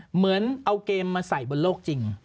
เหมือนเอาเกมมาใส่บนโลกจริง